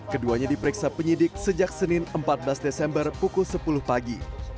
keduanya diperiksa penyidik sejak senin empat belas desember pukul sepuluh pagi